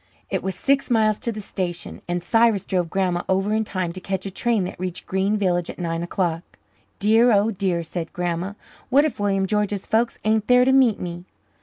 It was six miles to the station, and Cyrus drove Grandma over in time to catch a train that reached Green Village at nine o'clock. "Dear, oh dear," said Grandma, "what if William George's folks ain't there to meet me?